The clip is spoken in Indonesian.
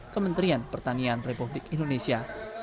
kementerian pertanian republik indonesia